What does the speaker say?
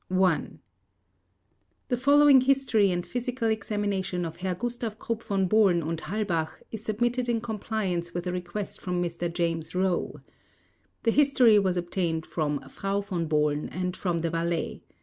The following history and physical examination of Herr Gustav Krupp von Bohlen und Halbach is submitted in compliance with a request from Mr. James Rowe. The history was obtained from Frau Von Bohlen and from the valet.